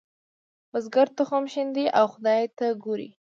بزګر تخم شیندي او خدای ته ګوري.